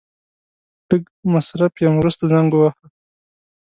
لږ مصرف يم ورسته زنګ وواهه.